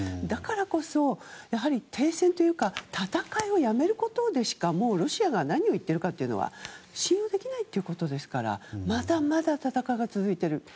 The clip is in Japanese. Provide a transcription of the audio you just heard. だからこそ、停戦というか戦いをやめることでしかもうロシアが何を言っているか信用できないということですからまだまだ戦いは続いている。